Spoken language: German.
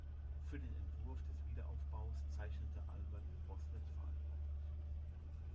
Für den Entwurf des Wiederaufbaus zeichnete Albert Boßlet verantwortlich.